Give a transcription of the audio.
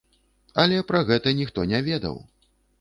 Але пра гэта ніхто не ведаў!